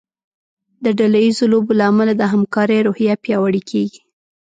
د ډله ییزو لوبو له امله د همکارۍ روحیه پیاوړې کیږي.